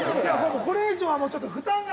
これ以上はもうちょっと負担が。